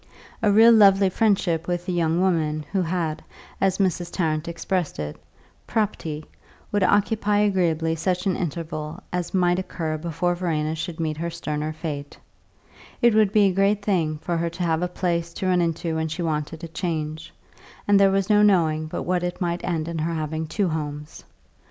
A real lovely friendship with a young woman who had, as Mrs. Tarrant expressed it, "prop'ty," would occupy agreeably such an interval as might occur before Verena should meet her sterner fate; it would be a great thing for her to have a place to run into when she wanted a change, and there was no knowing but what it might end in her having two homes.